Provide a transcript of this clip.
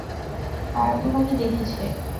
তারা তোমাকে দেখেছে।